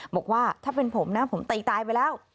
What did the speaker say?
บอกว่าถ้าเป็นผมนะผมตีตายไปแล้ว